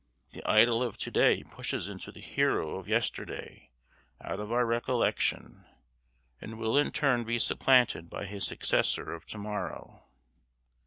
The idol of to day pushes the hero of yesterday out of our recollection, and will in turn be supplanted by his successor of tomorrow.